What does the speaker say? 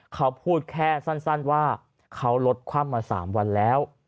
เขาพูดแค่สั้นว่าเขาลดคว่ำมา๓วันแล้ว